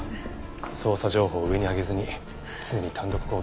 捜査情報を上に上げずに常に単独行動ばかり。